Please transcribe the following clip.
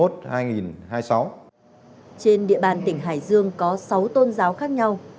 trên địa bàn tỉnh hải dương có sáu tôn giáo khác nhau